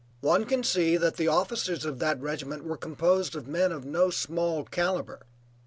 One can see that the officers of that regiment were composed of men of no small calibre.